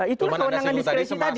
itu keundangan diskresi tadi